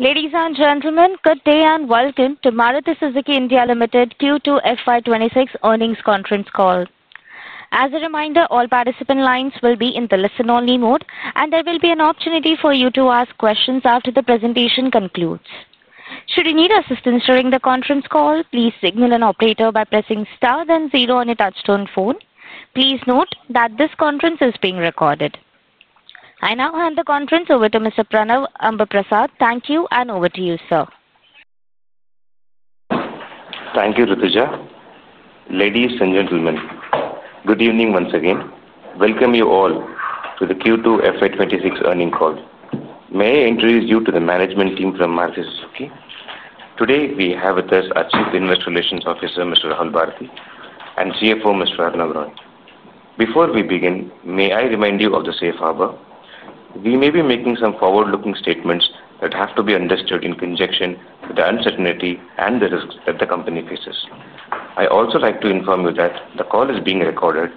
Ladies and gentlemen, good day and welcome to Maruti Suzuki India Limited Q2 FY 2026 earnings conference call. As a reminder, all participant lines will be in the listen-only mode, and there will be an opportunity for you to ask questions after the presentation concludes. Should you need assistance during the conference call, please signal an operator by pressing star then zero on your touchtone phone. Please note that this conference is being recorded. I now hand the conference over to Mr. Pranav Ambaprasad. Thank you, and over to you, sir. Thank you, Rutuja. Ladies and gentlemen, good evening once again. Welcome you all to the Q2 FY 2026 earnings call. May I introduce you to the management team from Maruti Suzuki? Today, we have with us our Chief Investor Relations Officer, Mr. Rahul Bharti, and CFO, Mr. Arnab Roy. Before we begin, may I remind you of the safe harbor? We may be making some forward-looking statements that have to be understood in conjunction with the uncertainty and the risks that the company faces. I also like to inform you that the call is being recorded,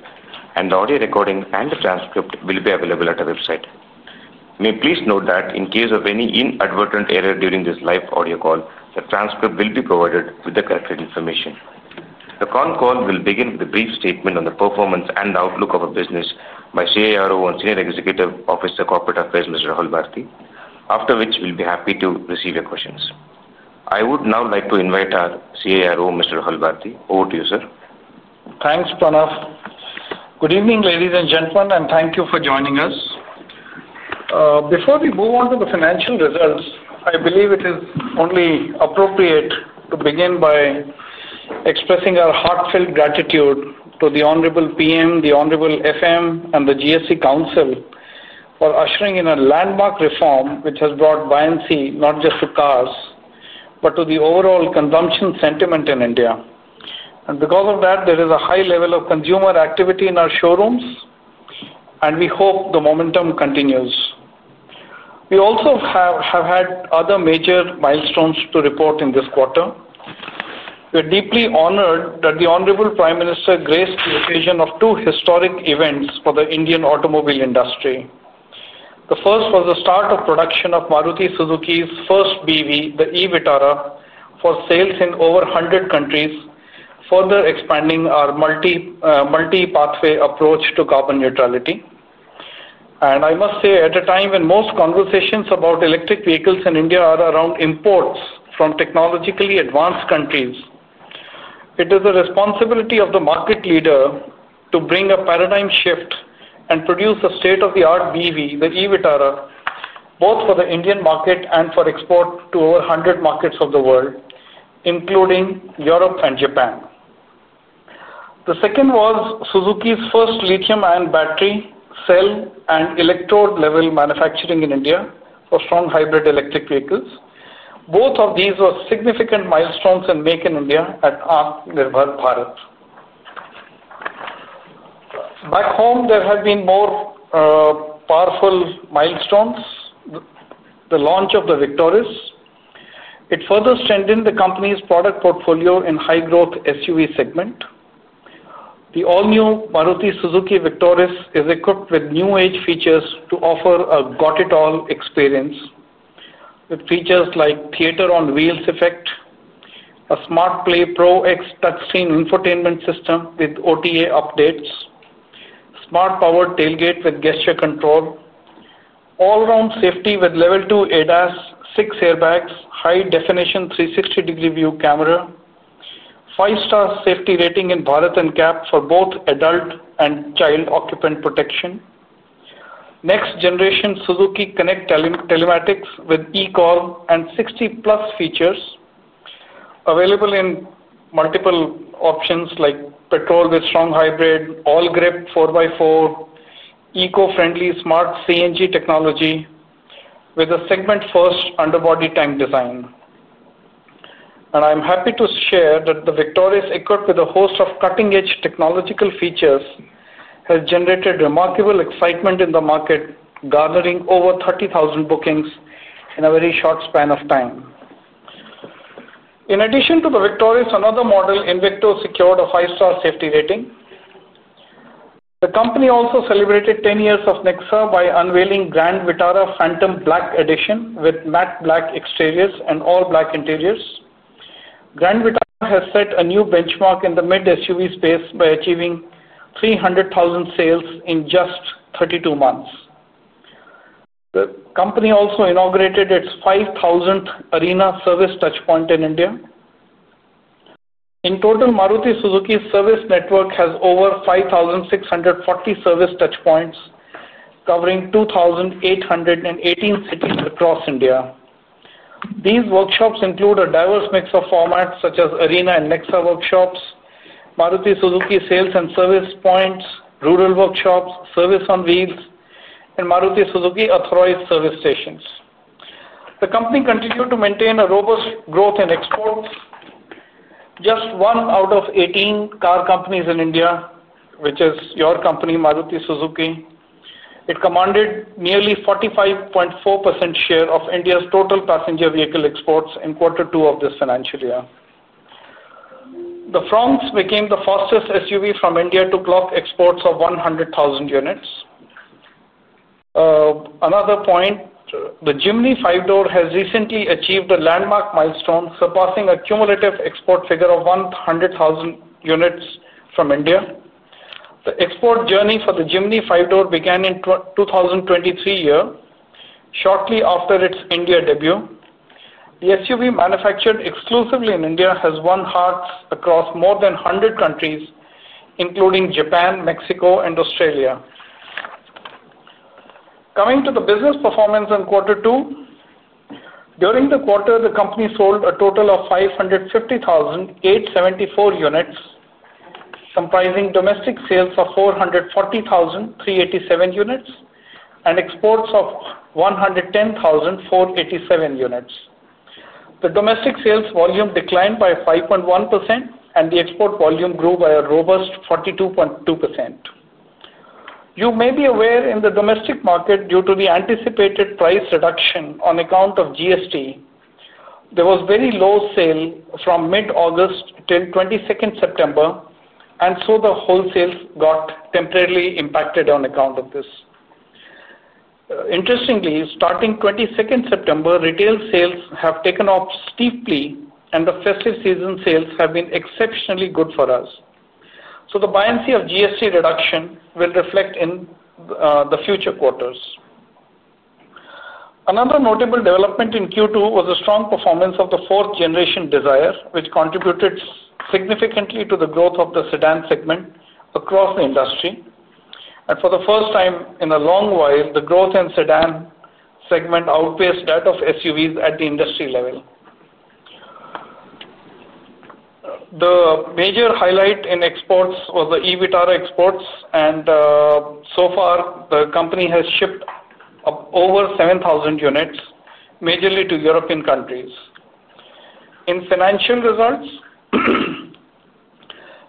and the audio recording and the transcript will be available at our website. May you please note that in case of any inadvertent error during this live audio call, the transcript will be provided with the corrected information. The con call will begin with a brief statement on the performance and outlook of our business by CIRO and Senior Executive Officer, Corporate Affairs, Mr. Rahul Bharti, after which we'll be happy to receive your questions. I would now like to invite our CIRO, Mr. Rahul Bharti. Over to you, sir. Thanks, Pranav. Good evening, ladies and gentlemen, and thank you for joining us. Before we move on to the financial results, I believe it is only appropriate to begin by expressing our heartfelt gratitude to the Honorable PM, the Honorable FM, and the GST Council for ushering in a landmark reform which has brought buoyancy not just to cars but to the overall consumption sentiment in India. Because of that, there is a high level of consumer activity in our showrooms, and we hope the momentum continues. We also have had other major milestones to report in this quarter. We are deeply honored that the Honorable Prime Minister graced the occasion of two historic events for the Indian automobile industry. The first was the start of production of Maruti Suzuki's first BEV, the e VITARA, for sales in over 100 countries, further expanding our multipathway approach to carbon neutrality. I must say, at a time when most conversations about electric vehicles in India are around imports from technologically advanced countries, it is the responsibility of the market leader to bring a paradigm shift and produce a state-of-the-art BEV, the e VITARA, both for the Indian market and for export to over 100 markets of the world, including Europe and Japan. The second was Suzuki's first lithium-ion battery cell and electrode-level manufacturing in India for strong hybrid electric vehicles. Both of these were significant milestones in [Macon India at Bharat]. Back home, there have been more powerful milestones. The launch of the Victoris further strengthened the company's product portfolio in the high-growth SUV segment. The all-new Maruti Suzuki Victoris is equipped with new-age features to offer a got-it-all experience, with features like theater-on-wheels effect, a Smartplay Pro X touchscreen infotainment system with OTA updates, smart power tailgate with gesture control, all-round safety with level two ADAS, six airbags, high-definition 360-degree view camera, five-star safety rating in Bharat NCAP for both adult and child occupant protection, next-generation Suzuki Connect telematics with e-call and 60+ features. Available in multiple options like petrol with strong hybrid, all-grip 4x4, eco-friendly smart CNG technology, with a segment-first underbody tank design. I'm happy to share that the Victoris, equipped with a host of cutting-edge technological features, has generated remarkable excitement in the market, garnering over 30,000 bookings in a very short span of time. In addition to the Victoris, another model, INVICTO, secured a five-star safety rating. The company also celebrated 10 years of NEXA by unveiling the Grand Vitara PHANTOM BLAQ Edition with matte black exteriors and all-black interiors. Grand Vitara has set a new benchmark in the mid-SUV space by achieving 300,000 sales in just 32 months. The company also inaugurated its 5,000th Arena service touchpoint in India. In total, Maruti Suzuki's service network has over 5,640 service touchpoints, covering 2,818 cities across India. These workshops include a diverse mix of formats such as Arena and NEXA workshops, Maruti Suzuki sales and service points, rural workshops, service on wheels, and Maruti Suzuki authorized service stations. The company continued to maintain robust growth in exports. Just one out of 18 car companies in India, which is your company, Maruti Suzuki, commanded nearly 45.4% share of India's total passenger vehicle exports in quarter two of this financial year. The FRONX became the fastest SUV from India to clock exports of 100,000 units. Another point, the Jimny 5-door has recently achieved a landmark milestone, surpassing a cumulative export figure of 100,000 units from India. The export journey for the Jimny 5-door began in 2023, shortly after its India debut. The SUV manufactured exclusively in India has won hearts across more than 100 countries, including Japan, Mexico, and Australia. Coming to the business performance in quarter two, during the quarter, the company sold a total of 550,874 units, comprising domestic sales of 440,387 units and exports of 110,487 units. The domestic sales volume declined by 5.1%, and the export volume grew by a robust 42.2%. You may be aware, in the domestic market, due to the anticipated price reduction on account of GST, there was very low sale from mid-August till September 22. The wholesales got temporarily impacted on account of this. Interestingly, starting September 22, retail sales have taken off steeply, and the festive season sales have been exceptionally good for us. The buoyancy of GST reduction will reflect in the future quarters. Another notable development in Q2 was the strong performance of the fourth-generation Dzire, which contributed significantly to the growth of the sedan segment across the industry. For the first time in a long while, the growth in the sedan segment outpaced that of SUVs at the industry level. The major highlight in exports was the e VITARA exports. So far, the company has shipped over 7,000 units, majorly to European countries. In financial results,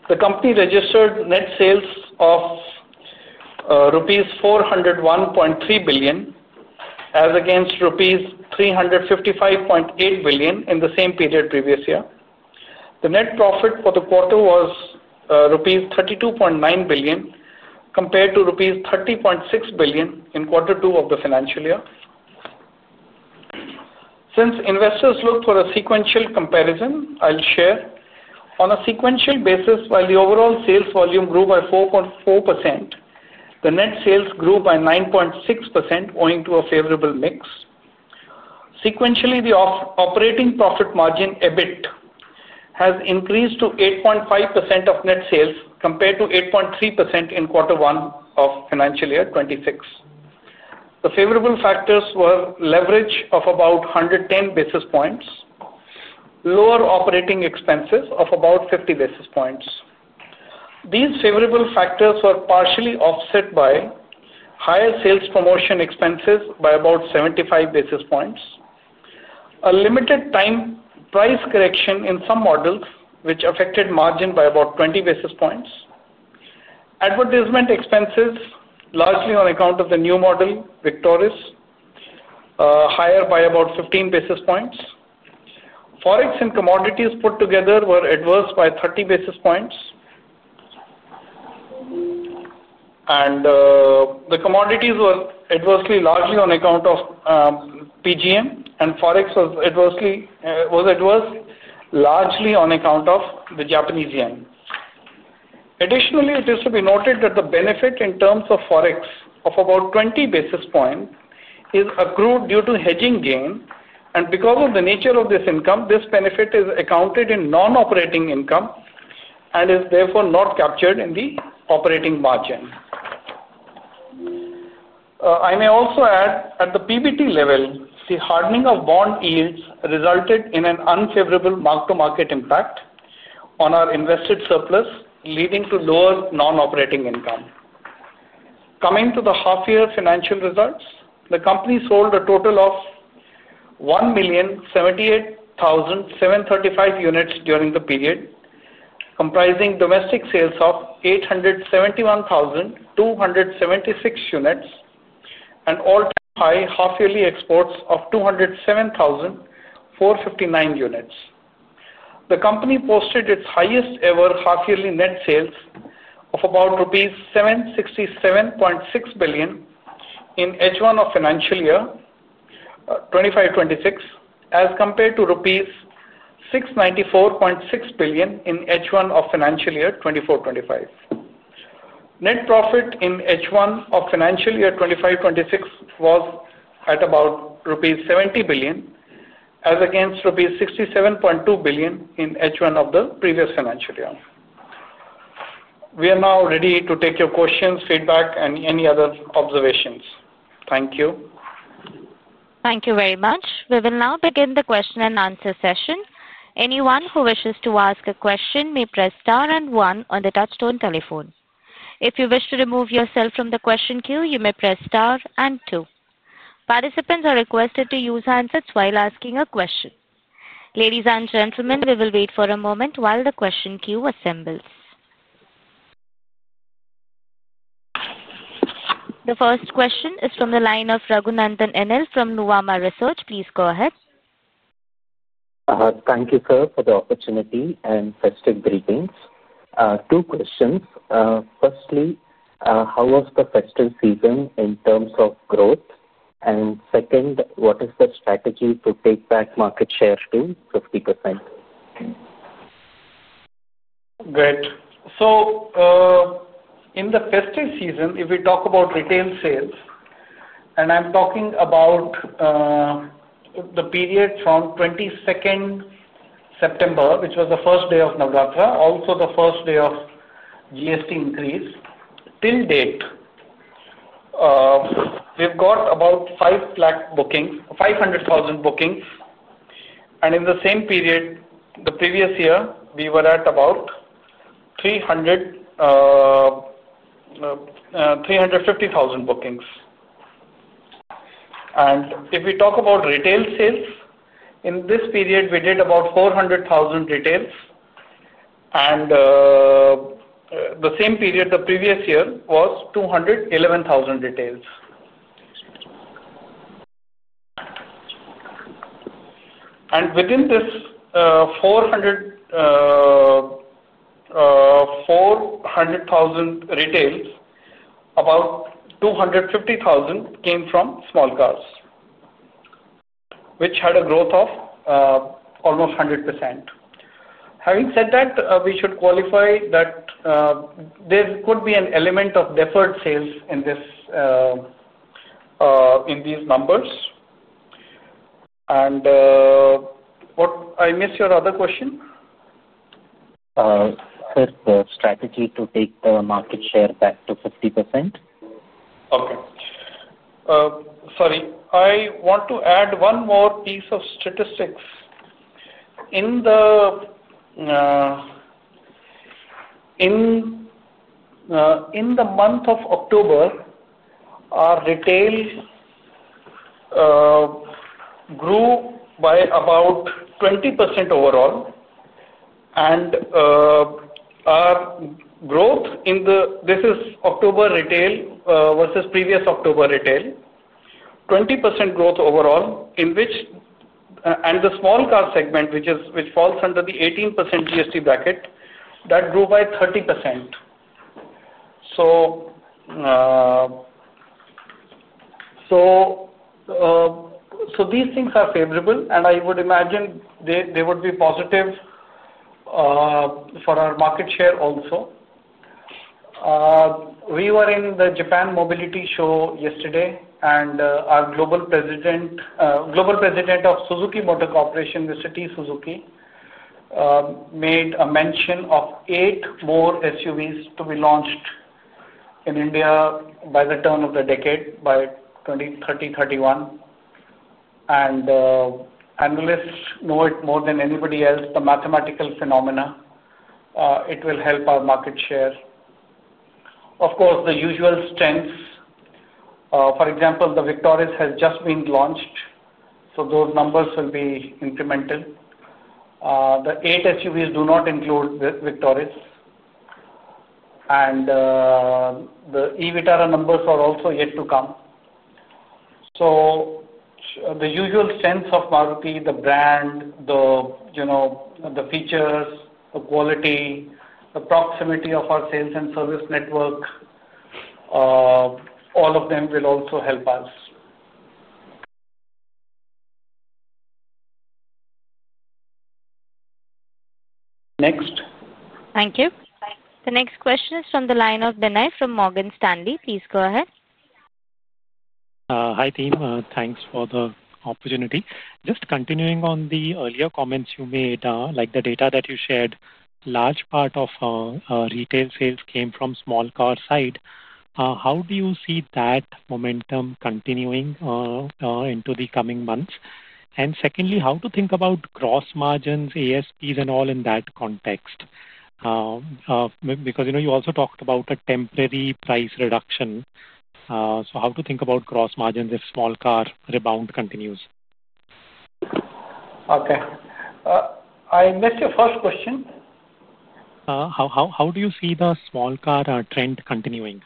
the company registered net sales of rupees 401.3 billion as against rupees 355.8 billion in the same period previous year. The net profit for the quarter was rupees 32.9 billion, compared to rupees 30.6 billion in Q2 of the financial year. Since investors look for a sequential comparison, I'll share. On a sequential basis, while the overall sales volume grew by 4.4%, the net sales grew by 9.6%, owing to a favorable mix. Sequentially, the operating profit margin EBIT has increased to 8.5% of net sales, compared to 8.3% in Q1 of financial year 2026. The favorable factors were leverage of about 110 basis points, lower operating expenses of about 50 basis points. These favorable factors were partially offset by higher sales promotion expenses by about 75 basis points, a limited-time price correction in some models which affected margin by about 20 basis points, and advertisement expenses, largely on account of the new model, Victoris, higher by about 15 basis points. Forex and commodities put together were adverse by 30 basis points, and the commodities were adverse largely on account of PGM, and forex was adverse largely on account of the Japanese yen. Additionally, it is to be noted that the benefit in terms of forex of about 20 basis points is accrued due to hedging gain, and because of the nature of this income, this benefit is accounted in non-operating income and is therefore not captured in the operating margin. I may also add, at the PBT level, the hardening of bond yields resulted in an unfavorable mark-to-market impact on our invested surplus, leading to lower non-operating income. Coming to the half-year financial results, the company sold a total of 1,078,735 units during the period, comprising domestic sales of 871,276 units and all-time high half-yearly exports of 207,459 units. The company posted its highest-ever half-yearly net sales of about rupees 767.6 billion in H1 of financial year 2025-2026, as compared to rupees 694.6 billion in H1 of financial year 2024-2025. Net profit in H1 of financial year 2025-2026 was at about rupees 70 billion, as against rupees 67.2 billion in H1 of the previous financial year. We are now ready to take your questions, feedback, and any other observations. Thank you. Thank you very much. We will now begin the question-and-answer session. Anyone who wishes to ask a question may press star and one on the touchstone telephone. If you wish to remove yourself from the question queue, you may press star and two. Participants are requested to use handsets while asking a question. Ladies and gentlemen, we will wait for a moment while the question queue assembles. The first question is from the line of Raghunandhan NL from Nuwama Research. Please go ahead. Thank you, sir, for the opportunity and festive greetings. Two questions. Firstly, how was the festive season in terms of growth? Second, what is the strategy to take back market share to 50%? Great. In the festive season, if we talk about retail sales, and I'm talking about the period from 22nd September, which was the first day of Navratri, also the first day of GST increase, till date, we've got about 500,000 bookings. In the same period, the previous year, we were at about 350,000 bookings. If we talk about retail sales in this period, we did about 400,000 retails. The same period the previous year was 211,000 retails. Within this 400,000 retails, about 250,000 came from small cars, which had a growth of almost 100%. Having said that, we should qualify that there could be an element of deferred sales in these numbers. I missed your other question. Is the strategy to take the market share back to 50%? Okay. Sorry. I want to add one more piece of statistics. In the month of October, our retail grew by about 20% overall. Our growth in the—this is October retail versus previous October retail—20% growth overall, in which the small car segment, which falls under the 18% GST bracket, grew by 30%. These things are favorable, and I would imagine they would be positive for our market share also. We were in the Japan Mobility Show yesterday, and our global President of Suzuki Motor Corporation, Mr. T. Suzuki, made a mention of eight more SUVs to be launched in India by the turn of the decade, by 2030-2031. Analysts know it more than anybody else, the mathematical phenomenon. It will help our market share. Of course, the usual strengths. For example, the Victoris has just been launched, so those numbers will be incremental. The eight SUVs do not include Victoris. The e VITARA numbers are also yet to come. The usual strengths of Maruti, the brand, the features, the quality, the proximity of our sales and service network, all of them will also help us. Next. Thank you. The next question is from the line of Binay from Morgan Stanley. Please go ahead. Hi, team. Thanks for the opportunity. Just continuing on the earlier comments you made, like the data that you shared, a large part of retail sales came from the small car side. How do you see that momentum continuing into the coming months? Secondly, how to think about gross margins, ASPs, and all in that context? You also talked about a temporary price reduction. How to think about gross margins if small car rebound continues? Okay, I missed your first question. How do you see the small car trend continuing?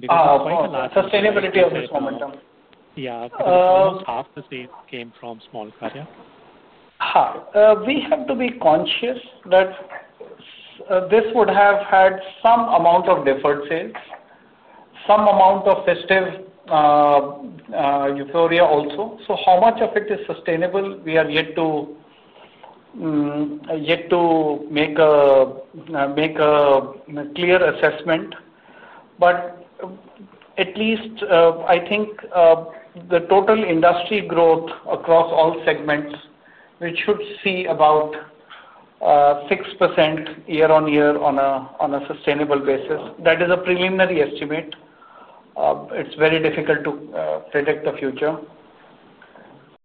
Sustainability of this momentum. Yeah, half the sales came from small car, yeah? We have to be conscious that this would have had some amount of deferred sales, some amount of festive euphoria also. How much of it is sustainable, we have yet to make a clear assessment. At least, I think the total industry growth across all segments, we should see about 6% year-on-year on a sustainable basis. That is a preliminary estimate. It's very difficult to predict the future.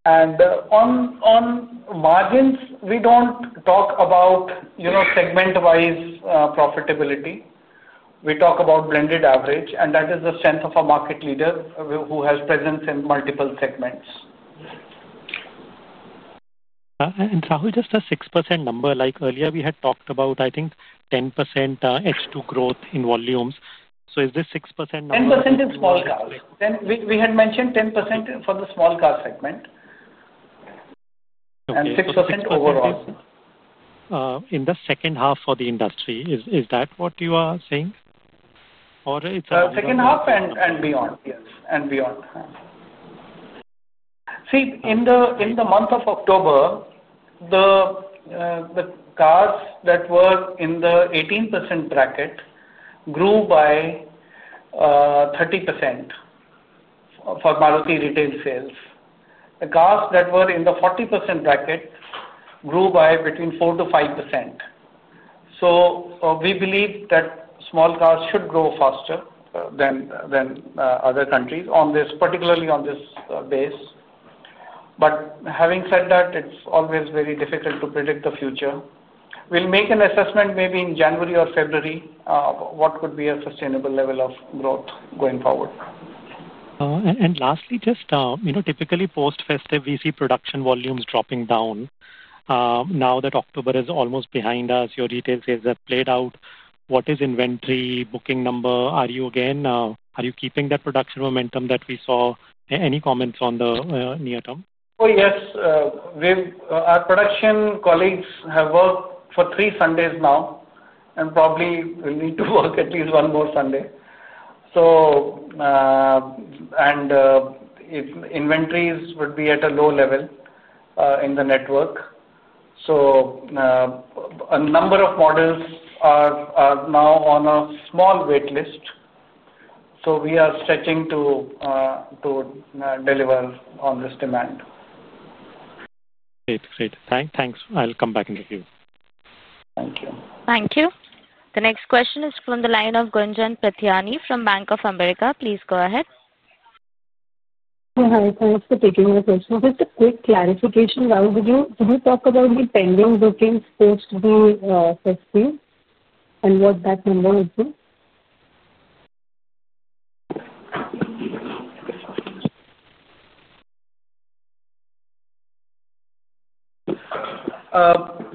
On margins, we don't talk about segment-wise profitability. We talk about blended average, and that is the strength of a market leader who has presence in multiple segments. Rahul, just the 6% number, like earlier we had talked about, I think 10% H2 growth in volumes. Is this 6%? 10% in small cars. We had mentioned 10% for the small car segment, and 6% overall. In the second half for the industry, is that what you are saying, or it's about? Second half and beyond, yes. In the month of October, the cars that were in the 18% bracket grew by 30% for Maruti retail sales. The cars that were in the 40% bracket grew by between 4%-5%. We believe that small cars should grow faster than other countries, particularly on this base. Having said that, it's always very difficult to predict the future. We'll make an assessment maybe in January or February, what could be a sustainable level of growth going forward. Lastly, just typically post-festive, we see production volumes dropping down. Now that October is almost behind us, your retail sales have played out. What is inventory, booking number? Are you again, are you keeping that production momentum that we saw? Any comments on the near term? Yes, our production colleagues have worked for three Sundays now, and probably we'll need to work at least one more Sunday. Inventories would be at a low level in the network. A number of models are now on a small waitlist. We are stretching to deliver on this demand. Great. Thanks. I'll come back in the cue. Thank you. Thank you. The next question is from the line of Gunjan Prithyani from Bank of America. Please go ahead. Hi. Thanks for taking my question. Just a quick clarification. Rahul, would you talk about the pending bookings post-festive and what that number is?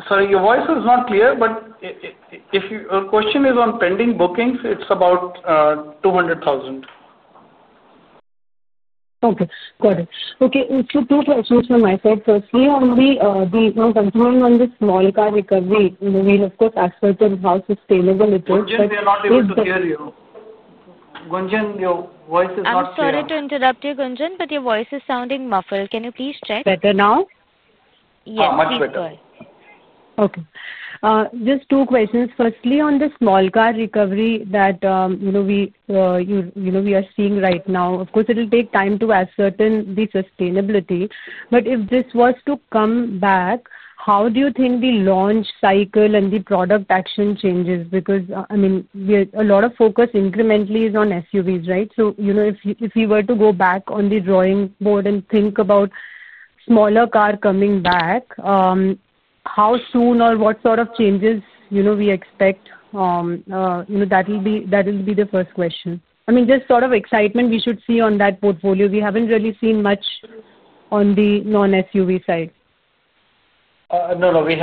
Sorry, your voice was not clear. The question is on pending bookings. It's about 200,000. Okay. Got it. Two questions from my side. Firstly, continuing on the small car recovery, we'll, of course, ask about how sustainable it is. Yeah, we are not able to hear you. Gunjan, your voice is not clear. I'm sorry to interrupt you, Gunjan, but your voice is sounding muffled. Can you please check? Better now? Yes. It's good. Oh, much better. Okay. Just two questions. Firstly, on the small car recovery that we are seeing right now, of course, it'll take time to ascertain the sustainability. If this was to come back, how do you think the launch cycle and the product action changes? I mean, a lot of focus incrementally is on SUVs, right? If we were to go back on the drawing board and think about smaller car coming back, how soon or what sort of changes we expect? That will be the first question. I mean, just sort of excitement we should see on that portfolio. We haven't really seen much on the non-SUV side. We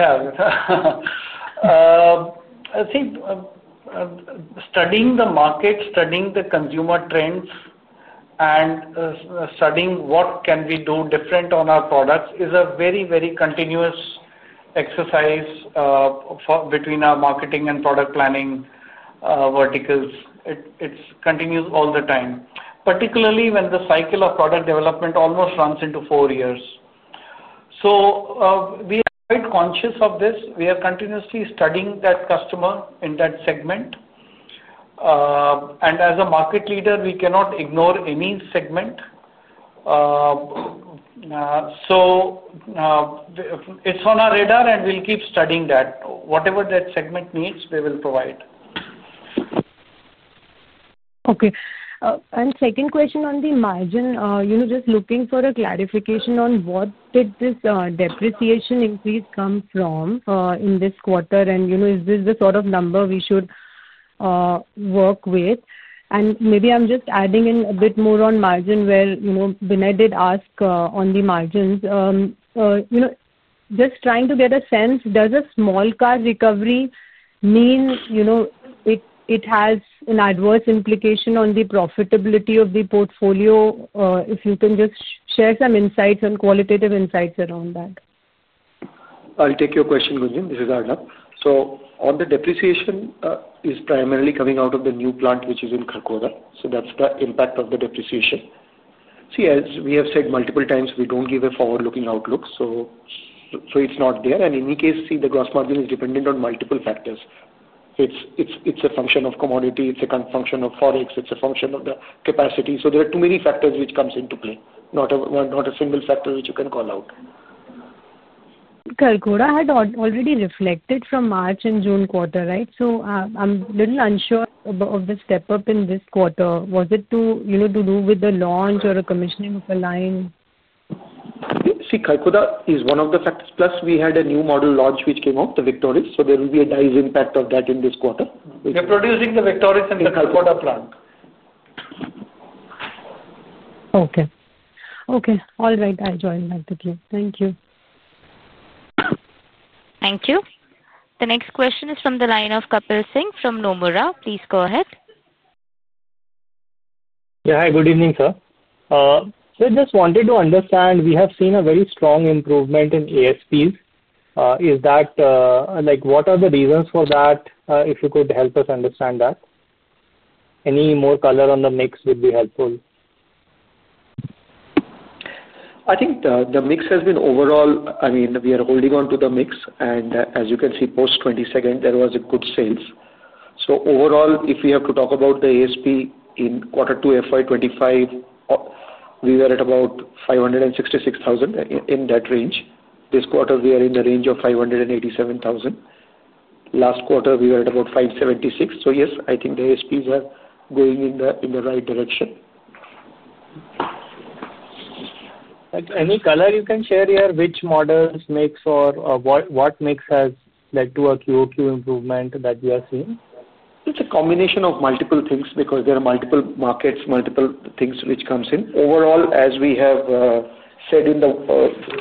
have studied the market, studied the consumer trends, and studied what we can do different on our products. It is a very, very continuous exercise between our marketing and product planning verticals. It continues all the time, particularly when the cycle of product development almost runs into four years. We are quite conscious of this. We are continuously studying that customer in that segment. As a market leader, we cannot ignore any segment. It is on our radar, and we'll keep studying that. Whatever that segment needs, we will provide. Okay. Second question on the margin, just looking for a clarification on what did this depreciation increase come from in this quarter? Is this the sort of number we should work with? Maybe I'm just adding in a bit more on margin where Binai did ask on the margins. Just trying to get a sense, does a small car recovery mean it has an adverse implication on the profitability of the portfolio? If you can just share some qualitative insights around that. I'll take your question, Gunjan. This is Arnab. All the depreciation is primarily coming out of the new plant, which is in Kharkhoda. That's the impact of the depreciation. As we have said multiple times, we don't give a forward-looking outlook. It's not there. In any case, the gross margin is dependent on multiple factors. It's a function of commodity, a function of forex, a function of the capacity. There are too many factors which come into play, not a single factor which you can call out. Kharkhoda had already reflected from March and June quarter, right? I'm a little unsure of the step-up in this quarter. Was it to do with the launch or a commissioning of a line? See, Kharkhoda is one of the factors. Plus, we had a new model launch which came out, the Victoris. There will be a direct impact of that in this quarter. We're producing the Victoris in the Kharkhoda plant. All right. I'll join back with you. Thank you. Thank you. The next question is from the line of Kapil Singh from Nomura. Please go ahead. Hi. Good evening, sir. We just wanted to understand, we have seen a very strong improvement in ASPs. What are the reasons for that? If you could help us understand that, any more color on the mix would be helpful. I think the mix has been overall, I mean, we are holding on to the mix. As you can see, post-22nd, there was a good sale. Overall, if we have to talk about the ASP in quarter two FY 2025, we were at about 566,000 in that range. This quarter, we are in the range of 587,000. Last quarter, we were at about 576,000. Yes, I think the ASPs are going in the right direction. Any color you can share here? Which models make for what mix has led to a QoQ improvement that you are seeing? It's a combination of multiple things because there are multiple markets, multiple things which come in. Overall, as we have said in the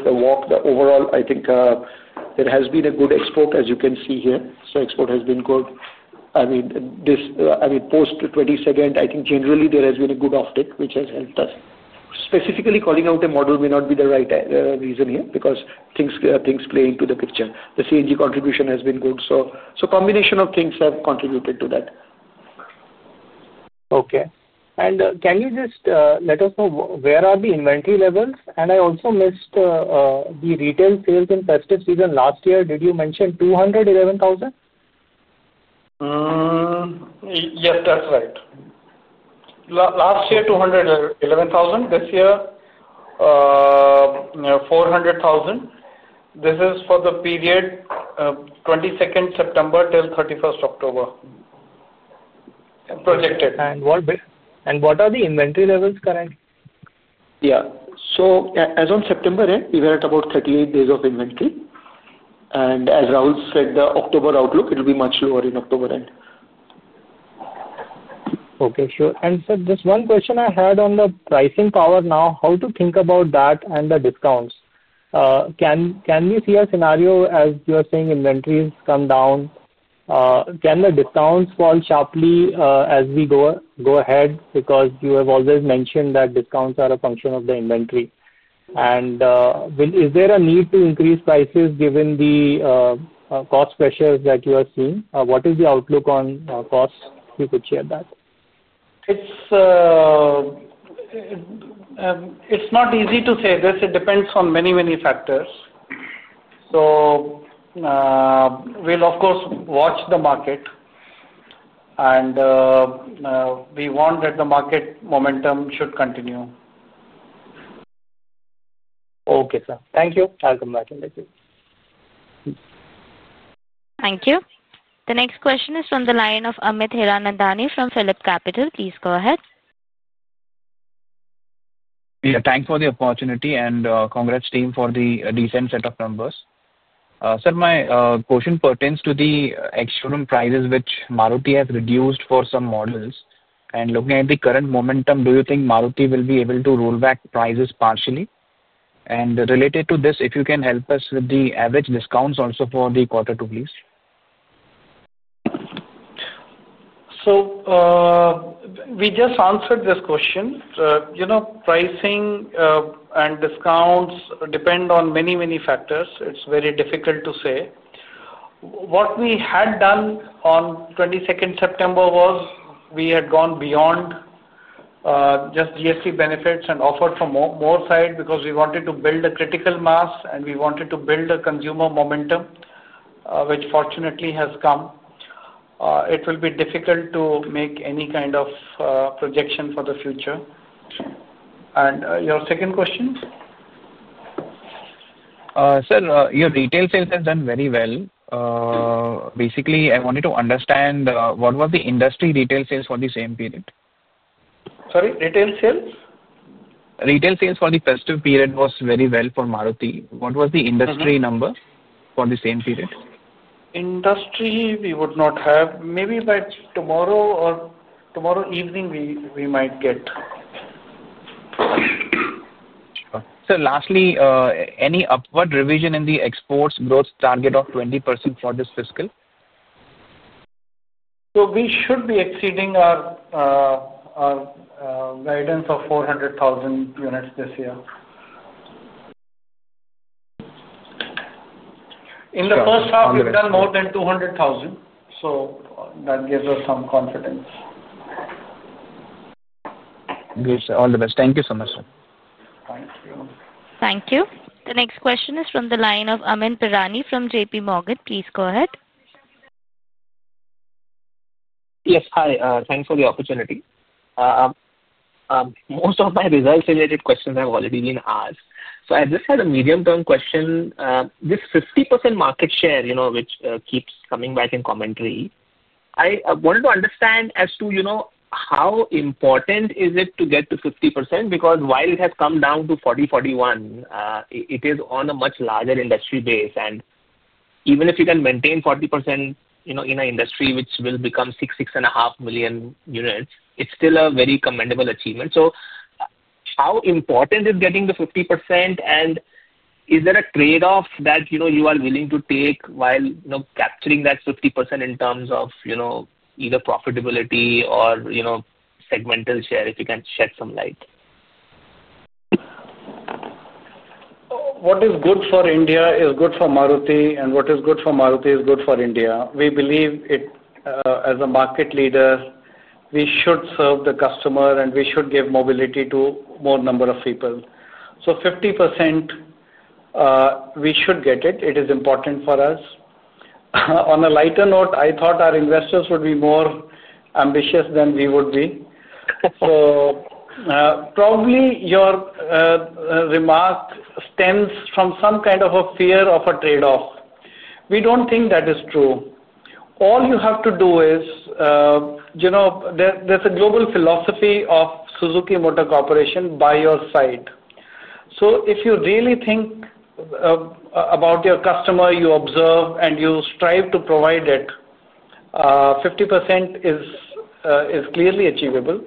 walk, the overall, I think there has been a good export, as you can see here. Export has been good. I mean, post-22nd, I think generally there has been a good offtake, which has helped us. Specifically calling out a model may not be the right reason here because things play into the picture. The CNG contribution has been good. A combination of things have contributed to that. Okay. Can you just let us know where are the inventory levels? I also missed the retail sales in festive season last year. Did you mention 211,000? Yes, that's right. Last year, 211,000. This year, 400,000. This is for the period 22nd September till 31st October. Projected. What are the inventory levels currently? As of September, we were at about 38 days of inventory. As Rahul said, the October outlook, it will be much lower in October end. Okay. Sure. Just one question I had on the pricing power now. How to think about that and the discounts? Can we see a scenario, as you are saying, inventories come down? Can the discounts fall sharply as we go ahead? You have always mentioned that discounts are a function of the inventory. Is there a need to increase prices given the cost pressures that you are seeing? What is the outlook on costs? If you could share that. It's not easy to say this. It depends on many, many factors. We'll, of course, watch the market. We want that the market momentum should continue. Okay, sir. Thank you. I'll come back to the cue. Thank you. The next question is from the line of Amit Hiranandani from Philip Capital. Please go ahead. Yeah. Thanks for the opportunity and congrats team for the decent set of numbers. Sir, my question pertains to the ex-showroom prices which Maruti has reduced for some models. Looking at the current momentum, do you think Maruti will be able to roll back prices partially? Related to this, if you can help us with the average discounts also for the quarter two, please. We just answered this question. Pricing and discounts depend on many, many factors. It's very difficult to say. What we had done on 22nd September was we had gone beyond just GST benefits and offered from our side because we wanted to build a critical mass, and we wanted to build a consumer momentum, which fortunately has come. It will be difficult to make any kind of projection for the future. Your second question? Sir, your retail sales have done very well. Basically, I wanted to understand what was the industry retail sales for the same period? Sorry, retail sales? Retail sales for the festive period was very well for Maruti. What was the industry number for the same period? Industry, we would not have. Maybe by tomorrow or tomorrow evening, we might get. Sir, lastly, any upward revision in the exports growth target of 20% for this fiscal? We should be exceeding our guidance of 400,000 units this year. In the first half, we've done more than 200,000 units. That gives us some confidence. Good, sir. All the best. Thank you so much, sir. Thank you. Thank you. The next question is from the line of Amyn Pirani from JPMorgan. Please go ahead. Yes. Hi. Thanks for the opportunity. Most of my results-related questions have already been asked. I just had a medium-term question. This 50% market share, which keeps coming back in commentary. I wanted to understand as to how important is it to get to 50%? Because while it has come down to 40%, 41%. It is on a much larger industry base. Even if you can maintain 40% in an industry which will become 6 million, 6.5 million units, it's still a very commendable achievement. How important is getting the 50%? Is there a trade-off that you are willing to take while capturing that 50% in terms of either profitability or segmental share, if you can shed some light? What is good for India is good for Maruti, and what is good for Maruti is good for India. We believe as a market leader, we should serve the customer, and we should give mobility to more number of people. 50%. We should get it. It is important for us. On a lighter note, I thought our investors would be more ambitious than we would be. Probably your remark stems from some kind of a fear of a trade-off. We don't think that is true. All you have to do is, there's a global philosophy of Suzuki Motor Corporation by your side. If you really think about your customer, you observe, and you strive to provide it. 50% is clearly achievable.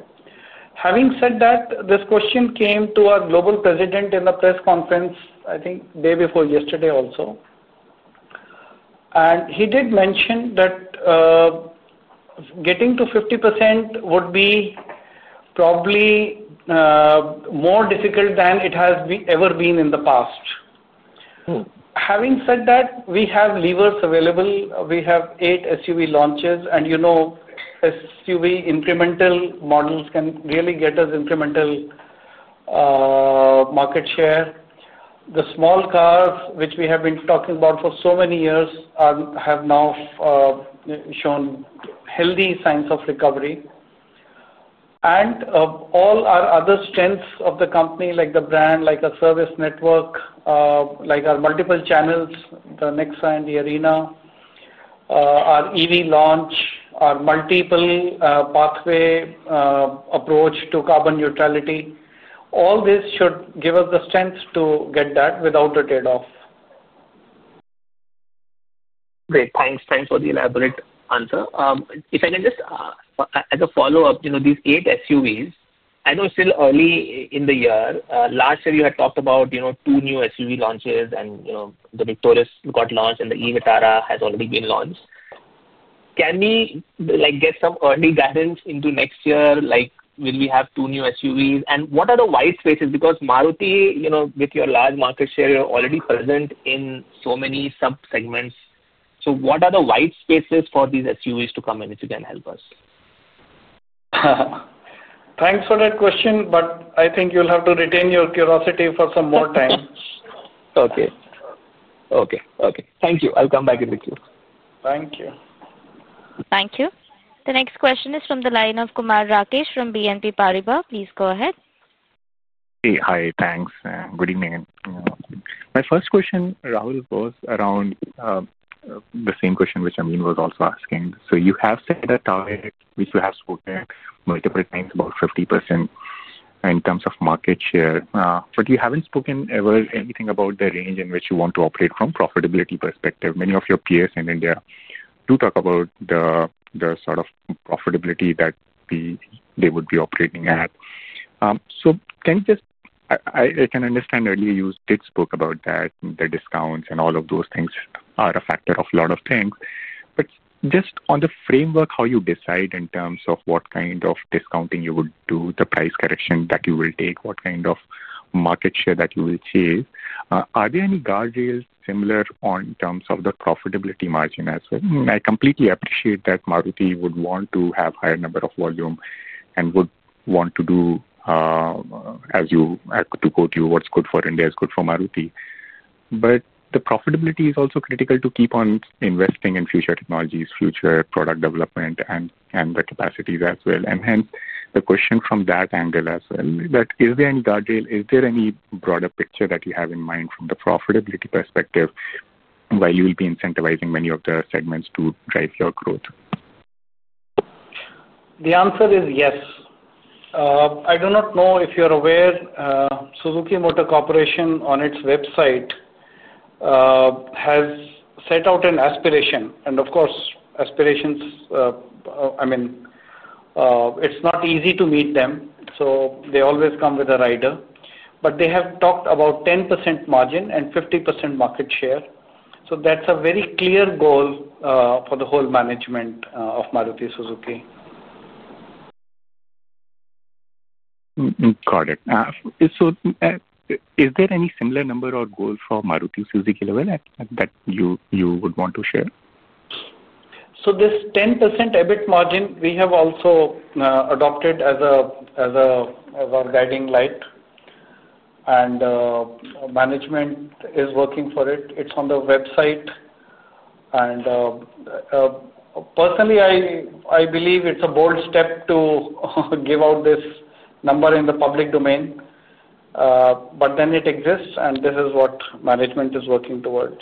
Having said that, this question came to our global president in the press conference, I think day before yesterday also. He did mention that getting to 50% would be probably more difficult than it has ever been in the past. Having said that, we have levers available. We have eight SUV launches. SUV incremental models can really get us incremental market share. The small cars, which we have been talking about for so many years, have now shown healthy signs of recovery. All our other strengths of the company, like the brand, like our service network, like our multiple channels, the NEXA and Arena, our EV launch, our multipathway approach to carbon neutrality, all this should give us the strength to get that without a trade-off. Great. Thanks. Thanks for the elaborate answer. If I can just, as a follow-up, these eight SUVs, I know it's still early in the year. Last year, you had talked about two new SUV launches, and the Victoris got launched, and the e VITARA has already been launched. Can we get some early guidance into next year? Will we have two new SUVs? What are the white spaces? Because Maruti, with your large market share, you're already present in so many sub-segments. What are the white spaces for these SUVs to come in, if you can help us? Thanks for that question, but I think you'll have to retain your curiosity for some more time. Okay. Thank you. I'll come back in the cue. Thank you. Thank you. The next question is from the line of Kumar Rakesh from BNP Paribas. Please go ahead. Hey. Hi. Thanks. Good evening. My first question, Rahul, was around the same question which Amin was also asking. You have set a target which you have spoken multiple times about 50% in terms of market share, but you haven't spoken ever anything about the range in which you want to operate from profitability perspective. Many of your peers in India do talk about the sort of profitability that they would be operating at. Can you just—I can understand earlier you did spoke about that, the discounts and all of those things are a factor of a lot of things. Just on the framework, how you decide in terms of what kind of discounting you would do, the price correction that you will take, what kind of market share that you will see, are there any guardrails similar in terms of the profitability margin as well? I completely appreciate that Maruti would want to have a higher number of volume and would want to do, as you—to quote you, what's good for India is good for Maruti. The profitability is also critical to keep on investing in future technologies, future product development, and the capacities as well. Hence, the question from that angle as well, that is there any guardrail? Is there any broader picture that you have in mind from the profitability perspective while you will be incentivizing many of the segments to drive your growth? The answer is yes. I do not know if you're aware, Suzuki Motor Corporation on its website has set out an aspiration. Of course, aspirations, I mean, it's not easy to meet them. They always come with a rider, but they have talked about 10% margin and 50% market share. That's a very clear goal for the whole management of Maruti Suzuki. Is there any similar number or goal for Maruti Suzuki level that you would want to share? This 10% EBIT margin, we have also adopted as our guiding light. Management is working for it. It's on the website. Personally, I believe it's a bold step to give out this number in the public domain. It exists, and this is what management is working towards.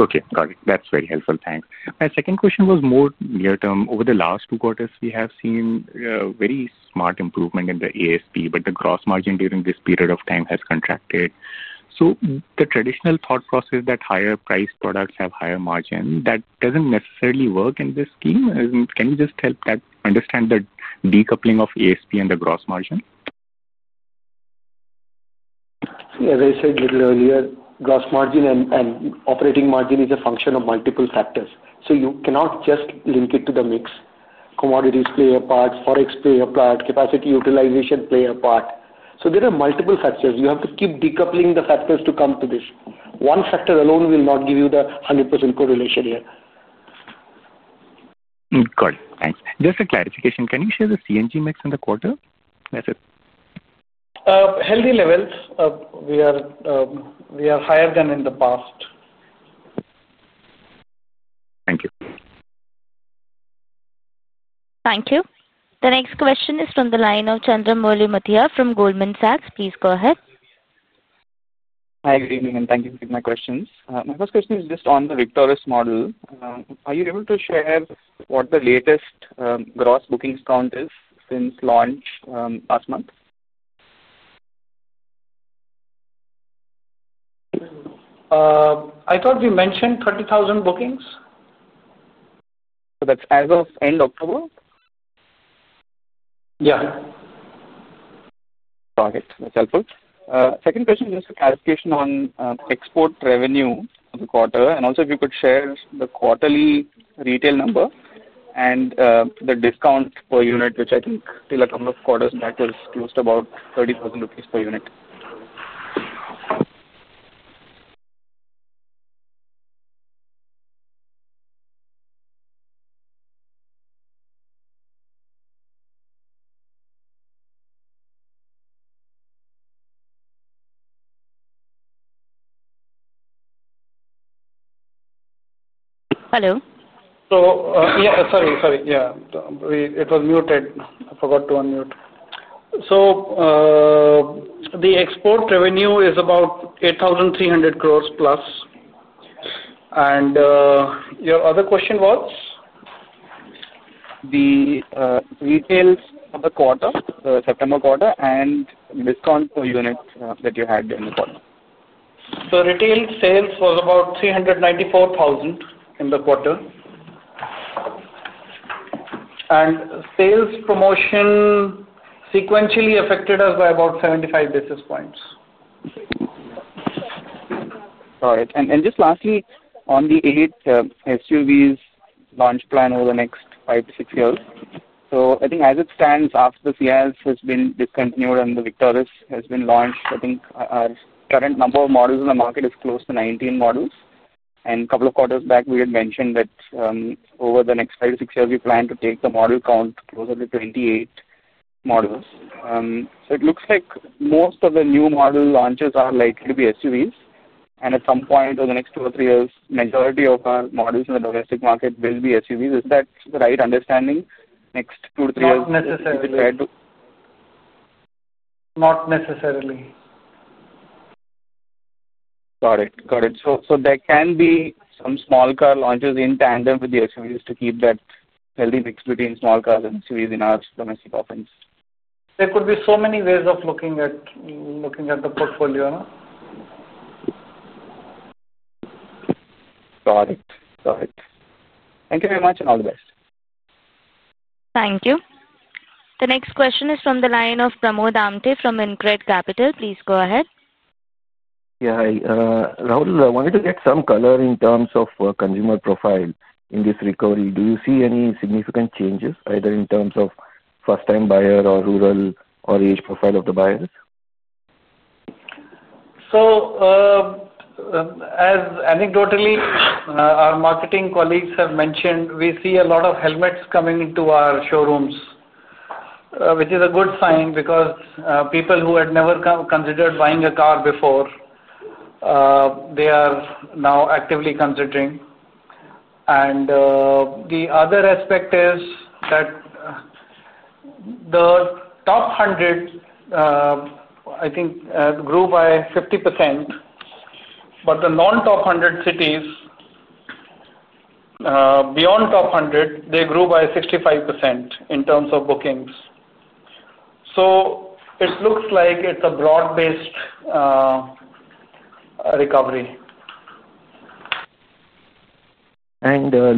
Okay. Got it. That's very helpful. Thanks. My second question was more near-term. Over the last two quarters, we have seen very smart improvement in the ASP, but the gross margin during this period of time has contracted. The traditional thought process that higher-priced products have higher margin doesn't necessarily work in this scheme. Can you just help that understand the decoupling of ASP and the gross margin? As I said a little earlier, gross margin and operating margin is a function of multiple factors. You cannot just link it to the mix. Commodities play a part, forex play a part, capacity utilization play a part. There are multiple factors. You have to keep decoupling the factors to come to this. One factor alone will not give you the 100% correlation here. Got it. Thanks. Just a clarification. Can you share the CNG mix in the quarter? That's it. Healthy levels. We are higher than in the past. Thank you. Thank you. The next question is from the line of Chandramouli Muthiah from Goldman Sachs. Please go ahead. Hi. Good evening, and thank you for taking my questions. My first question is just on the Victoris model. Are you able to share what the latest gross bookings count is since launch last month? I thought you mentioned 30,000 bookings? That's as of end October? Yeah. Got it. That's helpful. Second question is just a clarification on export revenue for the quarter. If you could share the quarterly retail number and the discount per unit, which I think till a couple of quarters back was close to about 30,000 per unit. Hello? Sorry. It was muted. I forgot to unmute. The export revenue is about 8,300 crore plus. Your other question was? The retails for the quarter, the September quarter, and discount per unit that you had during the quarter? The retail sales was about 394,000 in the quarter. Sales promotion sequentially affected us by about 75 basis points. All right. Just lastly, on the eight SUVs launch plan over the next five to six years. I think as it stands, after the Ciaz has been discontinued and the Victoris has been launched, I think our current number of models in the market is close to 19 models. A couple of quarters back, we had mentioned that over the next five to six years, we plan to take the model count closer to 28 models. It looks like most of the new model launches are likely to be SUVs. At some point over the next two or three years, the majority of our models in the domestic market will be SUVs. Is that the right understanding? Next two to three years. Not necessarily. Not necessarily. Got it. Got it. There can be some small car launches in tandem with the SUVs to keep that healthy mix between small cars and SUVs in our domestic offerings. There could be so many ways of looking at the portfolio. Got it. Got it. Thank you very much and all the best. Thank you. The next question is from the line of Pramod Amthe from InCred Capital. Please go ahead. Yeah, Rahul, I wanted to get some color in terms of consumer profile in this recovery. Do you see any significant changes, either in terms of first-time buyer or rural or age profile of the buyers? Anecdotally, our marketing colleagues have mentioned we see a lot of helmets coming into our showrooms, which is a good sign because people who had never considered buying a car before, they are now actively considering. The other aspect is that the top 100, I think, grew by 50%. The non-top 100 cities, beyond top 100, they grew by 65% in terms of bookings. It looks like it's a broad-based recovery.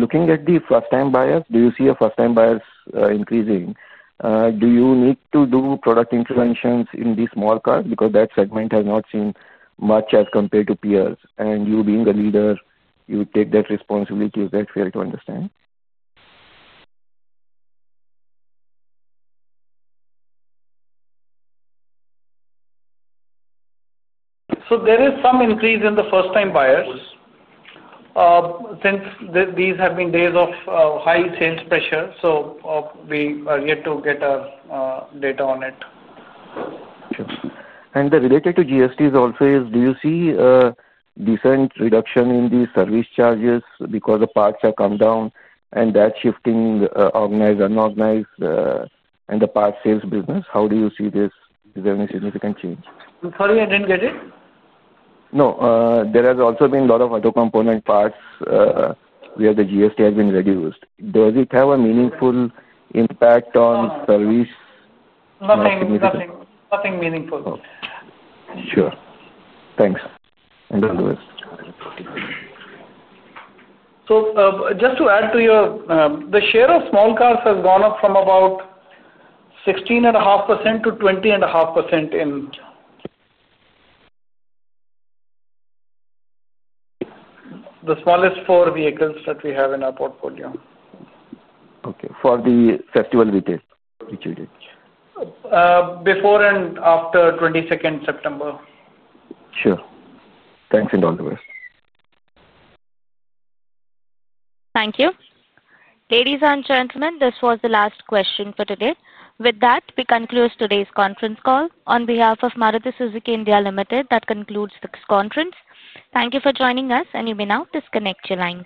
Looking at the first-time buyers, do you see first-time buyers increasing? Do you need to do product interventions in these small cars? That segment has not seen much as compared to peers. You, being a leader, you take that responsibility. Is that fair to understand? There is some increase in the first-time buyers. These have been days of high sales pressure, so we are yet to get our data on it. Related to GSTs also, do you see a decent reduction in the service charges because the parts have come down and that shifting organized/unorganized and the parts sales business? How do you see this? Is there any significant change? Sorry, I didn't get it. No. There has also been a lot of auto component parts where the GST has been reduced. Does it have a meaningful impact on service? Nothing. Nothing. Nothing meaningful. Sure. Thanks. Thank you, Lewis. Just to add to your, the share of small cars has gone up from about 16.5%-20.5% in the smallest four vehicles that we have in our portfolio. Okay. For the festive retail? Before and after 22nd September. Sure. Thanks, indulgers. Thank you. Ladies and gentlemen, this was the last question for today. With that, we conclude today's conference call. On behalf of Maruti Suzuki India Limited, that concludes this conference. Thank you for joining us, and you may now disconnect your line.